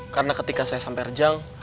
karena ketika saya sampai rejang